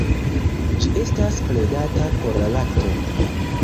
Ĝi estas bredata por la lakto.